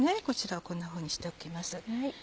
こちらはこんなふうにしておきます。